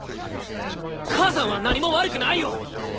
母さんは何も悪くないよ！